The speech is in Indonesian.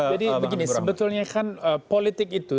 bang murni sebetulnya kan politik itu